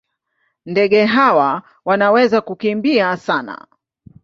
Ndege hawa wanaweza kukimbia sana.